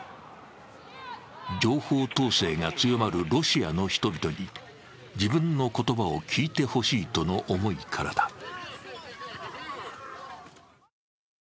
情報統制が強まるロシアの人々に自分の言葉を聞いてほしいとの思いからだ。